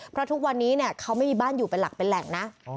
เพราะทุกวันนี้เขาไม่มีบ้านอยู่เป็นหลักเป็นแหล่งนะ